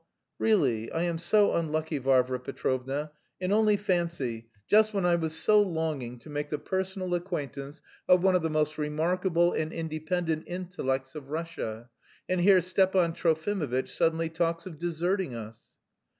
"Really, I am so unlucky, Varvara Petrovna... and only fancy, just when I was so longing to make the personal acquaintance of one of the most remarkable and independent intellects of Russia and here Stepan Trofimovitch suddenly talks of deserting us."